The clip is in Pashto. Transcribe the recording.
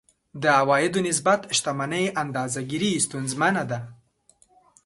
د عوایدو نسبت شتمنۍ اندازه ګیري ستونزمنه ده.